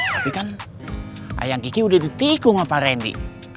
tapi kan ayang kiki udah ditikung sama pak randy